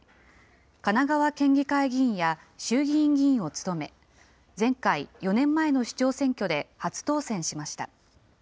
神奈川県議会議員や、衆議院議員を務め、前回・４年前の市長選挙で初当選しました。